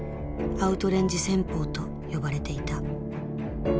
アウトレンジ戦法と呼ばれていた。